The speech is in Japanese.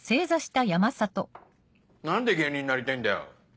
何で芸人になりたいんだよ？